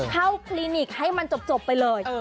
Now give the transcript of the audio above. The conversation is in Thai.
คลินิกให้มันจบไปเลย